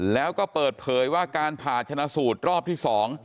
แล้วก็เปิดเผยว่าการผ่าชนะสูตรรอบที่๒